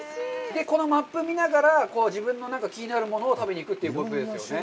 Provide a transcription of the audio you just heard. このマップを見ながら、自分の気になるものを食べに行くということですよね。